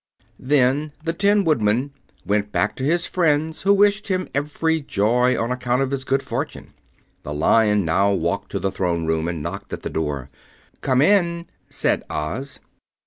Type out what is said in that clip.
Then the Tin Woodman went back to his friends, who wished him every joy on account of his good fortune. The Lion now walked to the Throne Room and knocked at the door. "Come in," said Oz.